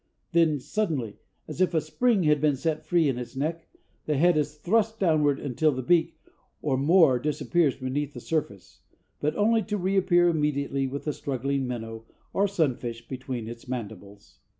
Then suddenly, as if a spring had been set free in its neck, the head is thrust downward until the beak, or more, disappears beneath the surface, but only to reappear immediately with the struggling minnow or sunfish between its mandibles.